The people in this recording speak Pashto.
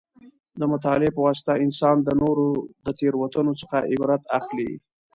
د مطالعې په واسطه انسان د نورو د تېروتنو څخه عبرت اخلي.